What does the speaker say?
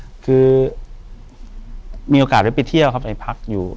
กุมารพายคือเหมือนกับว่าเขาจะมีอิทธิฤทธิ์ที่เยอะกว่ากุมารทองธรรมดา